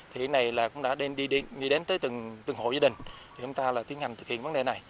thì cái này là cũng đã đi đến tới từng hộ gia đình để chúng ta là tiến hành thực hiện vấn đề này